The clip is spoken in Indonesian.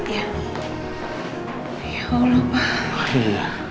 ya allah pak